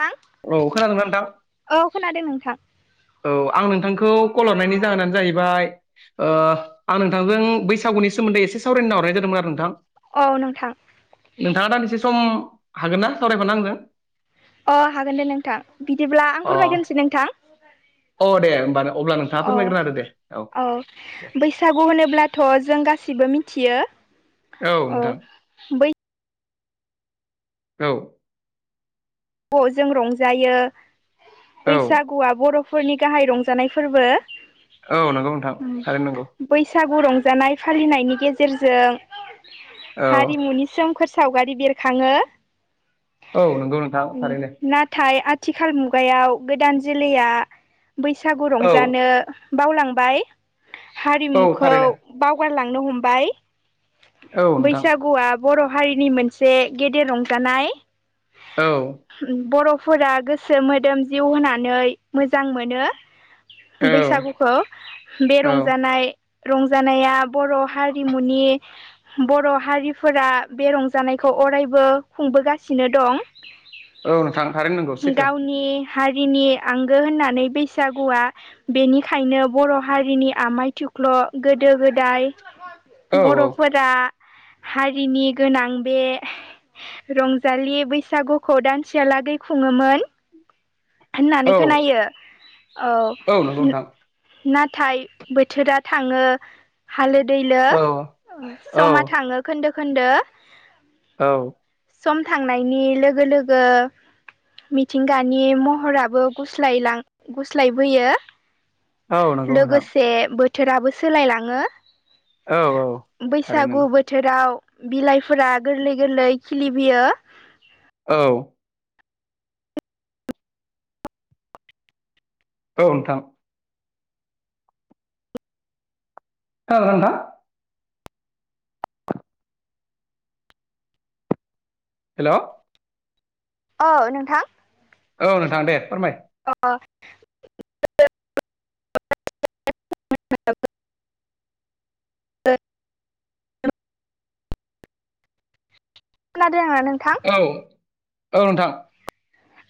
थां औ खोनादों ना नोंथां औ खोनादों नोंथां औ आं नोंथांखौ कल हरनायनि जाहोनानो जाहैबाय ओ आं नोंथांजों बैसागुनि सोमोन्दै एसे सावरायना हरनाय जादोंमोन आरो नोंथां औ नोंथां नोंथाङा दानदिसे सम हागोन ना सावरायफानो आंजों अ हागोन दे नोंथां बिदिब्ला आं अ फोरमायग्रोनोसै नोंथां अ दे होमबानो अब्ला नोंथाङा अ फोरमायग्रोना होदो दे औ दे बैसागु होनोब्लाथ' जों गासिबो मिथियो औ बै औ ब जों रंजायो औ बैसागुआ बर'फोरनि गाहाय रंजानाय फोरबो औ नंगौ नोंथां थारैनो नंगौ बैसागु रंजानाय फालिनायनि गेजेरजों औ हारिमुनि सोम फोर सावगारि बेरखाङो औ नंगौ नोंथां थारैनो नाथाय आथिखाल मुगायाव गोदान जोलैया बैसागु औ रंजानो बावलांबाय औ हारिमुखौ थारैनो बावगारलांनो हमबाय औ नोंथां बैसागुआ बर' हारिनि मोनसे गेदेर रंजानाय औ बर'फोरा गोसो मोदोम जिउ होनानै मोजां मोनो औ बैसागु खौ बे औ रंजानाय रंजानाया बर' हारिमुनि बर' हारिफोरा बे रंजानायखौ अरायबो खुंबोगासिनो दं औ नोंथां थारैनो नंगौ सैथो गावनि हारिनि आंगो होननानै बैसागुआ बेनिखायनो बर' हारिनि आमाय थुख्ल' गोदो गोदाय औ औ बर'फोरा हारिनि गोनां बे रंजालि बैसागुखौ दानसेहालागै खुङोमोन होननानै औ खोनायो औ नंगौ नोंथां नाथाय बोथोरा थाङो हालो दैलो औ औ समा थाङो खोन्दो खोन्दो औ सम थांनायनि लोगो लोगो मिथिंगानि म हराबो गस्लायलां गुस्लायबोयो औ नंगौ नोंथां लोगोसे बो थोराबो सोलायलाङो औ औ थारै बैसागु नंगौ बो थोराव बिलाइफोरा गोरलै गोरलै खिलिबोयो औ औ नोंथां खोनादों ना नोंथां हेल' औ नोंथां औ नोंथां दे फोरमाय। अ खोनादों ना नोंथां? औ औ नोंथां।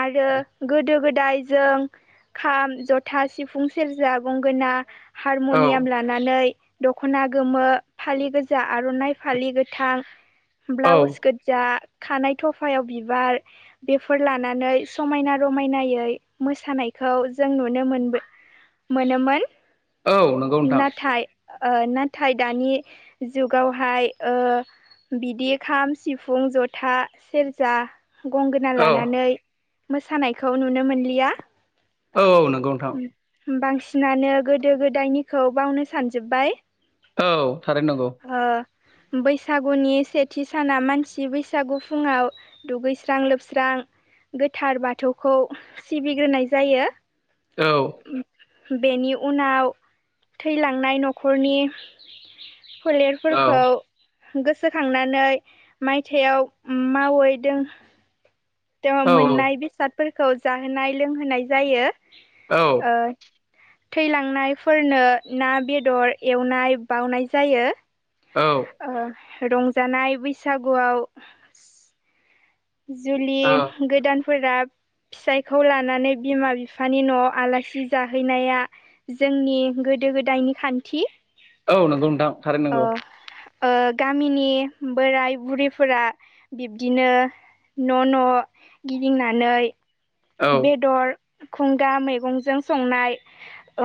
आरो गोदो-गोदाय जों खाम, जथा, सिफुं, सेरजा, गंगोना औ हारमुनियाम लाना नानै दख'ना गोमो फालि गोजा आर'नाइ फालि गोथां औ ब्लाउस गोजा खानाय थफायाव बिबार बेफोर लानानै थानानै समायना रमायनायै मोसानायखौ जों नुनो मोनबो मोनोमोन औ नंगौ नोंथां नाथाय ओ नाथाय दानि जुगावहाय बिदि खाम, सिफुं, जथा, सेरजा गंगोना औ लानानै मोसानायखौ नुनो मोनलिया औ नंगौ नोंथां। बांसिनानो गोदो गोदायनिखौ बावनो सानजोब्बाय। औ थारैनो नंगौ। ओ बैसागुनि सेथि साना मानसि बैसागु फुङाव दुगैस्रां लोबस्रां गोथार बाथौखौ सिबिग्रोनाय जायो। औ। बेनि उनाव थैलांनाय न'खरनि औ फोलेरफोरखौ गोसोखांनानै माइथाइयाव मावै दों मोननाय औ बेसादफोरखौ जाहोनाय लोंहोनाय जायो। औ। थैलांनायफोरनो ना बेदर एवनाय बाउनाय जायो। औ। रंजानाय बैसागुआव जुलि गोदानफोरा। फिसायखौ लानानै बिमा बिफानि न'आव आलासि जाहैनाया। जोंनि गोदो-गोदायनि खान्थि औ नंगौ नोंथां। थारैनो नंगौ गामिनि बोराय बुरैफोरा बिब्दिनो। न' न' गिदिंनानै औ बेदर खुंगा मैगंजों संनाय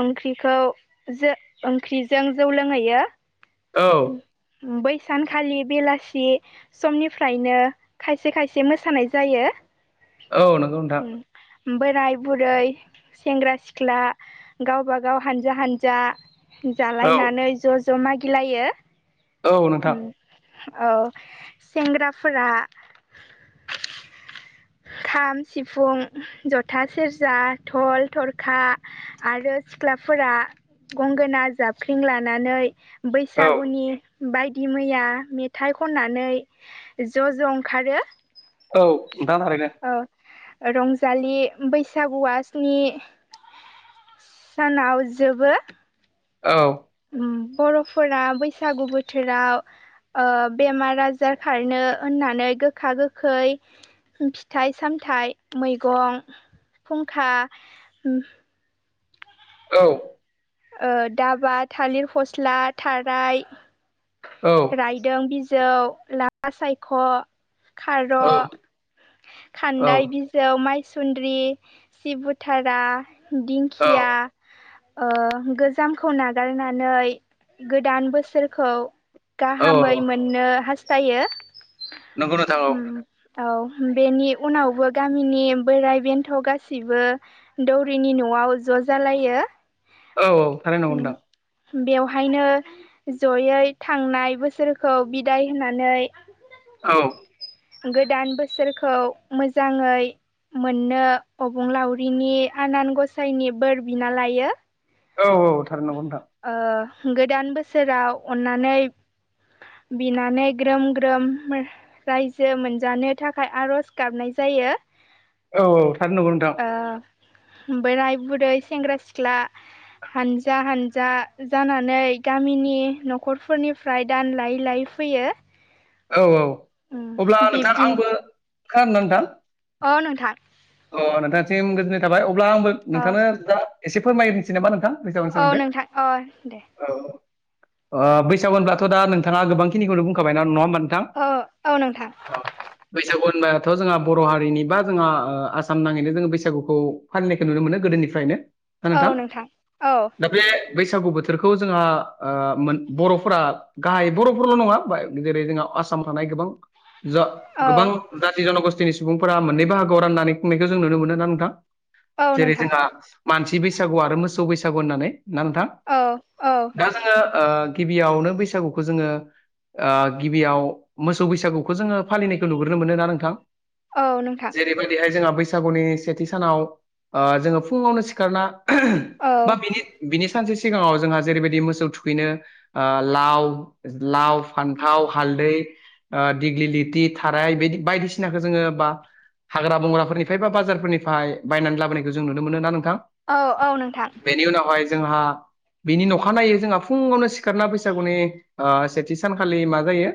ओंख्रिखौ ओंख्रिजों जौ लोंहैयो। औ। बैसानखालि बेलासि समनिफ्रायनो खायसे खायसे मोसानाय जायो। औ नंगौ नोंथां। बोराय बुरै सेंग्रा-सिख्ला गावबा गाव हानजा हानजा औ जालायनानै ज' ज' मागिलायो। औ नोंथां। औ सेंग्राफोरा। खाम, सिफुं, जथा, सेरजा, धल, थरखा आरो सिख्लाफोरा गंगोना जाबफ्रिं लानानै औ बैसागुनि बायदि मैया मेथाइ खननानै ज' ज' ओंखारो। औ नोंथां थारैनो। रंजालि बैसागुवा स्नि सानाव जोबो औ बर'फोरा बैसागु बोथोराव ओ बेमार आजार खारनो होननानै गोखा गोखै फिथाइ सामथाइ मैगं फुंखा उम औ ओ दाबा थालिर फस्ला थाराय औ रायदों बिजौ लाफा सायख' खार' औ औ खान्दाय बि जौ मायसुन्द्रि सिबुथारा औ दिंखिया ओ गोजामखौ नागारनानै गोदान बोसोरखौ औ गाहामै मोननो हास्थायो नंगौ नोंथां औ औ बेनि उनावबो गामिनि बोराय बेन्थ' गासिबो दौरिनि न'आव ज' जालायो औ औ थारैनो नंगौ उम नोंथां बेवहायनो जयै थांनाय बोसोरखौ बिदाय होनानै औ गोदान बोसोरखौ मोजाङै मोननो अबंलावरिनि आनान गसाइनि बोर बिना लायो औ औ थारैनो नंगौ नोंथां ओ गोदान बोसोराव अन्नानै बिनानै ग्रोम ग्रोम रायजो मोनजानो थाखाय आर'ज गाबनाय जायो औ थारैनो नंगौ नोंथां ओ बोराय बुरै सेंग्रा सिख्ला हानजा हानजा जा जानानै गामिनि न'खरफोरनिफ्राय दान लायै लायै फैयो औ औ अब्ला उम नोंथां बिब्दिन आंबो खानादों ना नोंथां अ नोंथां अ नोंथांसिम गोजोननाय थाबाय अब्ला आंबो अ नोंथांनो जा एसे फोरमायसै जेनेबा नोंथां बैसागुनि औ सोमोनदै नोंथां अ दे औ ओ बैसागु होनब्लाथ' दा नोंथाङा गोबांखिनिखौनो बुंखाबाय ना नङा होनबा थां औ औ नोंथां ओ बैसागु होनबाथ' जोंहा बर' हारिनि बा जों हा ओ आसाम नाङैनो जोङो बैसागुखौ फालिनायखौ नुनो मोनो गोदोनिफ्रायनो औ नोंथां औ दा बे बैसागु बोथोरखौ जोंहा ओ मोन बर'फोरा गाहाय बर'फोरल' नङा जेरै जोंहा आसामाव थानाय गोबां जा औ गोबां जाथि जन'गस्थिनि सुबुंफोरा मोननै बाहागोयाव राननानै खुंनायखौ जों नुनो मोनो ना नोंथां औ जेरै नोंथां जोंहा मानसि बैसागु आरो मोसौ बैसागु होननानै ना नोंथां औ औ दा जोङो ओ गिबियावनो बैसागुखौ जोङो आ गिबियाव मोसौ बैसागुखौ जोङो फालिनायखौ नुग्रोनो मोनोना नोंथां औ नोंथां बेबायदिहाय जोंहा बैसागुनि सेथि सानाव ओ जोङो फुङावनो सिखारना औ बा बिनि बिनि सानसे सिगाङाव जोंहा जेरैबायदि मोसौ थुखैनो ओ लाव लाव फानथाव हालदै आ दिग्लिलिथि थाराय बिदि बायदिसिनाखौ जोङो बा हाग्रा बंग्राफोरनि खायफाबा बाजारफोरनिफ्राय बायनानै लाबोनायखौ जों नुनो मोनो ना नोंथां औ औ नोंथां बेनि उनावहाय जोंहा बिनि अखा नायै जोंहा फुङावनो सिखारना बैसागुनि ओ सेथि सानखालि मा जायो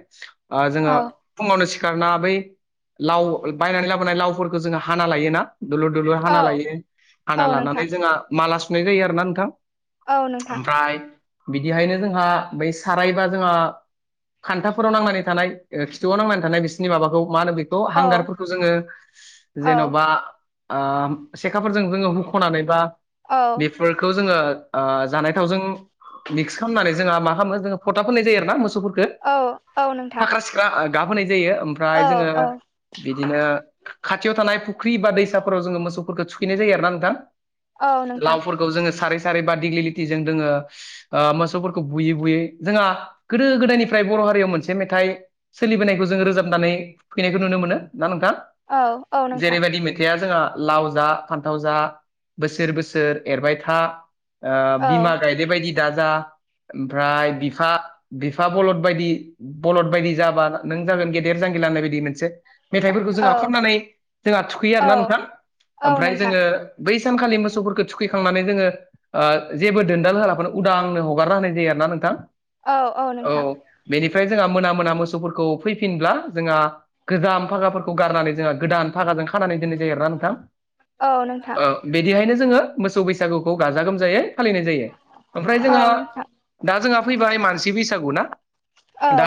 ओ जोङो औ फुङावनो सिखारना बै लाव बायनानै लाबोनाय लावफोरखौ जोङो हाना लायोना दुलुर दुलुर हाना औ लायो औ हाना नोंथां लानानै जोंहा माला सुनाय जायो आरो ना नोंथां औ नोंथां ओमफ्राय बिदिहायनो जोंहा बै सारायबा जोङो खानथाफोराव नांनानै थानाय खिथुआव नांनानै थानाय बिसोरनि माबाखौ मा होनो बेखौ औ हांगारफोरखौ जोङो औ जेन'बा ओ सेखाफोरजों जोङो हुख'नानै बा औ फोरखौ जोङो ओ जानाय थावजों मिक्स खालामनानै जोंहा मा खालामो जोङो फथा फोननाय जायो आरो ना मोसौफोरखौ औ औ नोंथां फाख्रा सिख्रा गाब होनाय जायो ओमफ्राय औ जोङो औ बिदिनो खाथियाव थानाय फुख्रि बा दैसाफोराव जोङो मोसौफोरखौ थुखैनाय जायो आरोना नोंथां औ नोंथां लावफोरखौ जोङो सारै सारै बा दिग्लि लिथिजों जोङो ओ मोसौफोरखौ बुयै बुयै जोंहा गोदो गोदायनिफ्राय बर' हारियाव मोनसे मेथाइ सोलिबोनायखौ जों रोजाबनानै थुखैनायखौ नुनो मोनो ना नोंथा औ औ नोंथां जेरैबायदि मेथाइआ जोंहा लाव जा फानथाव जा बोसोर बोसोर एरबाय था ओ औ बिमा गायदे बायदि दाजा ओमफ्राय बिफा बिफा बलद बायदि बलद बायदि जाबा नों जागोन गेदेर जांगिला होननाय बायदि मोनसे मेथाइफोरखौ औ जोंहा खननानै जोंहा थुखैयो औ आरोना नोंथां औ ओमफ्राय नोंथां जोङो बै सानखालि मोसौफोरखौ थुखैखांनानै जोङो ओ जेबो दोनदाल होलाफोरानो उदांनो हगारना होनाय जायो आरोना नोंथां औ औ नोंथां बेनिफ्राय जोंहा मोना मोना मोसौफोरखौ फैफिनब्ला जोंहा गोजाम फागाफोरखौ गारनानै जोंहा गोदान भागाजों खानानै दोननाय जायो आरोना नोंथां औ नोंथां बिदिहायनो जोङो मोसौ बैसागुखौ गाजा गोमजायै फालिनाय जायो ओमफ्राय औ जोंहा नोंथां दा जोंहा फैबाय मानसि बैसागु ना औ दा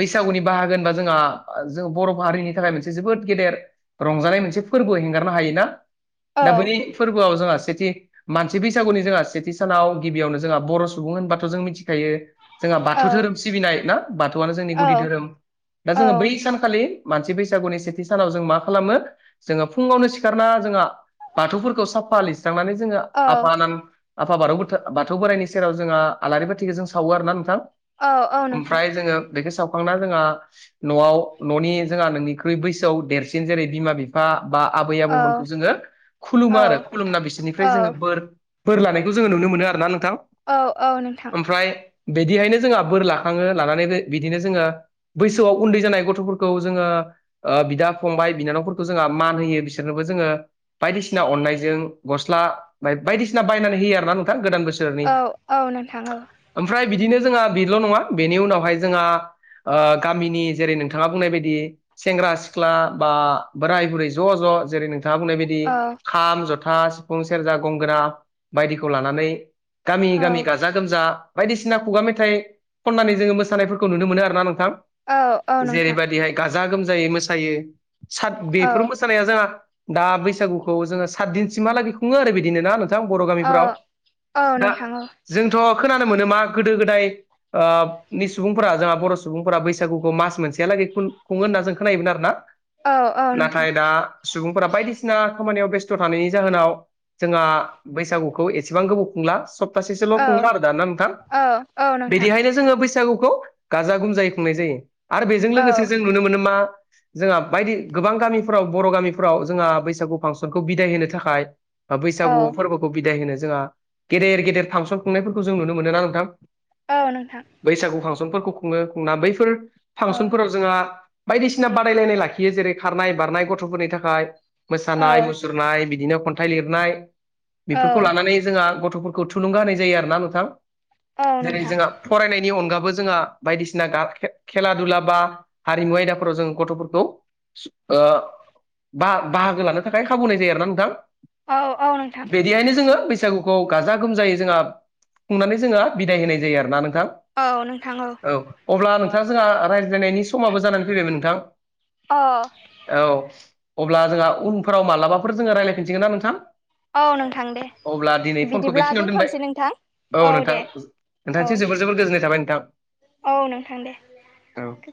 बैसागुनि बाहागो होनबा जोंहा जों बर' माहारिनि थाखाय मोनसे जोबोद गेदेर रंजानाय मोनसे फोरबो हेंगारनो हायै ना औ दा बै फोरबोआव जोंहा सेथि मानसि बैसागुनि जोंहा सेथि सानाव गिबियावनो जोंहा बर' सुबुं होनबाथ' जों मिथिखायो जोंहा औ बाथौ धोरोम सिबिनाय ना बाथौआनो जोंनि औ गुदि धोरोम दा जोङो बै सानखालि मानसि बैसागुनि सेथि सानाव जों मा खालामो जोङो फुङावनो सिखारना जोंहा बाथौफोरखौ साफा लिरस्रांनानै जोङो औ आफा आनान आफा बाथौ बाथौ बोराइनि सेराव जोंहा आलारि बाथिखौ जों सावो आरोना नोंथां औ नोंथां ओमफ्राय जोङो बेखौ सावखांना जोंहा न'आव न'नि जोंहा नोंनिख्रुइ बैसोआव देरसिन जेरै बिमा बि बा बा आबै औ आबौमोनखौ जोङो औ खुलुमो आरो खुलुमना औ बिसोरनिफ्राय जोङो बोर बोर लायानायखौ जोङो नुनो मोनो आरो ना नोंथां औ औ नोंथां ओमफ्राय बिदिहायनो जोंहा बोर लाखाङो लानानै बिदिनो जोङो बैसोआव उन्दै जानाय गथ'फोरखौ जोङो ओ बिदा फंबाय बिनानावफोरखौ जोंहा मान होयो बिसोरनोबो जोङो बायदिसिना अननायजों गस्ला बायदिसिना बायनानै होयो आरो ना नोंथां गोदान बोसो औ औ नोंथां औ ओमफ्राय बिदिनो जोंहा बेल' नङा बेनि उनावहाय जोंहा ओ गामिनि जेरै नोंथाङा बुंनाय बायदि सेंग्रा सिख्ला बा बोराय बुरै ज' ज' जेरै नोंथाङा बुंनाय बायदि औ खाम जथा सिफुं सेरजा गंगोना बायदिखौ लानानै गामि औ गामि गासै जा गोमजा बायदिसिना खुगा मेथाइ खननानै जोङो मोसानायफोरखौ नुनो मोनो आरोना नोंथां औ औ नोंथां जेरैबायदिहाय गाजा गोमजायै मोसायो साद औ बेफोर मोसानाया जाहा दा बैसागुखौ जोङो सात दिनसिमहालागै खुङो आरो बिदिनो ना नों थां बर' गामिफ्राव दा जोंथ' खोनानो मोनो मा गोदो गोदाय नि सुबुंफोरा जोंहा बर' सुबुंफोरा बैसागुखौ मास मोनसेहालागै खुङो होनना जों खोनायोमोन आरोना। औ नोंथां नाथाय दा सुबुंफोरा बायदिसिना खामानियाव बेस्थ' थानायनि जाहोनाव जोंहा बैसागुखौ एसेबां गोबाव खुंला सब थासेसोल' औ खुङो आरो दाना नोंथां औ नोंथां औ नोंथां औ नोंथां औ नोंथां बिदिहायनो जोङो बैसागुखौ गाजा गोमजायै खुंनाय जायो आरो बेजों लोगोसे जों नुनो मोनो मा जोंहा बायदि गोबां गामिफोराव बर' गामिफोराव जोंहा बैसागु फांसनखौ बिदाय होनो थाखाय बा औ बैसागु फोरबोखौ बिदाय होनो जोंहा गेदेर गेदेर फांसन खुंनायफोरखौ जों नुनो मोनो ना नोंथां। औ नोंथां। बैसागु फांसनफोरखौ खुङो खुंना बैफोर फांसनफोराव जोंहा बायदिसिना बादायलायनाय लाखियो। जेरै खारनाय बारनाय गथ'फोरनि थाखाय मोसानाय, मुसुरनाय, बिदिनो खन्थाइ लिरनाय, बेफोरखौ लानानै जोंहा गथ'फोरखौ थुलुंगा होनाय जायो आरोना नोंथां औ जेरै नोंथां जोंहा फरायनायनि अनगाबो जोंहा बायदिसिना खेला दुला बा हारिमु आयदाफोराव जों गथ'फोरखौ बाहागो लानो थाखाय खाबु होनाय जायो आरोना नोंथां। बिदिहायनो जोङो बैसागु गाजा गोमजायै जोंहा बुंनानै जोङो बिदाय होनाय जायो आरोना नोंथां। औ नोंथां औ। औ अब्ला नोंथाङा जोंहा रायज्लायनायनि समाबो जानानै फैबायमोन नोंथां। अ। औ अब्ला जोंहा उनफोराव मालाबाफोर जोङो रायज्लायफिनसिगोन ना नोंथां। औ नोंथां दे अब्ला दिनै फनखौ बिदिब्ला बेखिनिाव दोनबाय दोनथ'नोसै नोंथां औ नोंथां। नोंथां औ दे जोर जोबोर गोजोननाय थाबाय नोंथां। औ नोंथां दे। औ।